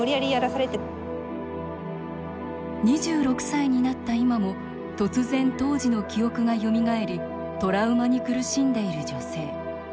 ２６歳になった今も突然、当時の記憶がよみがえりトラウマに苦しんでいる女性。